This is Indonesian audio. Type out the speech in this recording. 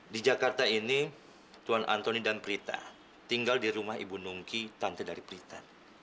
di jakarta ini tuan antoni dan prita tinggal di rumah ibu nungki tante dari prita